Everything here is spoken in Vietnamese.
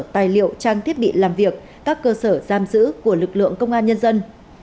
tài liệu trang thiết bị làm việc các cơ sở giam giữ của lực lượng công an nhân dân